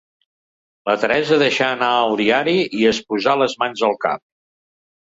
La Teresa deixà anar el diari i es posà les mans al cap.